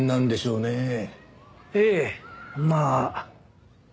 ええまあ。